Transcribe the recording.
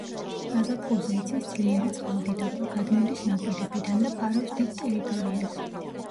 გაზაფხულზე იცის ძლიერი წყალდიდობა, გადმოდის ნაპირებიდან და ფარავს დიდ ტერიტორიას.